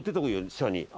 下に。